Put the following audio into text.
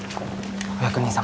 お役人様